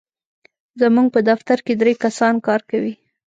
زموږ په دفتر کې درې کسان کار کوي.